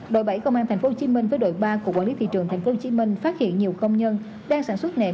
đội bảy công an tp hcm với đội ba của quản lý thị trường tp hcm phát hiện nhiều công nhân đang sản xuất nẹt